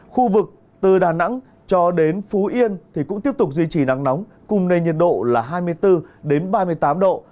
khu vực từ đà nẵng cho đến phú yên thì cũng tiếp tục duy trì nắng nóng cùng nền nhiệt độ là hai mươi bốn ba mươi tám độ